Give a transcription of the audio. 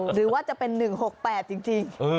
หรือว่าจะเป็น๑๖๘จริง